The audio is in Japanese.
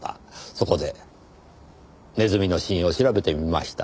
そこでネズミの死因を調べてみました。